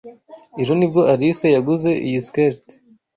Ejo nibwo Alice yaguze iyi skirt.